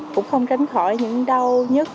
cũng không tránh khỏi những đau nhất